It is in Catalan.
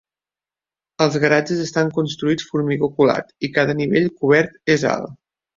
Els garatges estan construïts formigó colat i cada nivell cobert és alt.